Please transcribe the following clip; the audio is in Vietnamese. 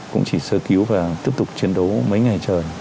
cũng chỉ sơ cứu và tiếp tục chiến đấu mấy ngày trời